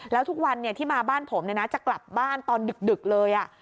แล้วทุกวันที่มาบ้านผมจะกลับบ้านตอนดึกเลย